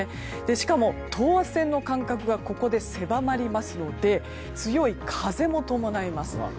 しかも、等圧線の間隔がここで狭まりますので強い風も伴います。